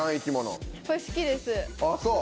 あっそう。